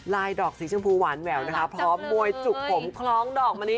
ดอกสีชมพูหวานแหววนะคะพร้อมมวยจุกผมคล้องดอกมะลิ